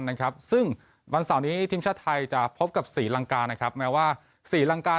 นะครับซึ่งวันเสาร์นี้ทีมชาติไทยจะพบกับศรีลังกานะครับแม้ว่าศรีลังกา